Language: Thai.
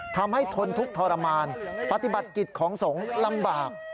ทนทุกข์ทรมานปฏิบัติกิจของสงฆ์ลำบาก